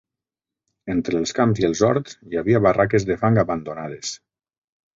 Entre els camps i els horts hi havia barraques de fang abandonades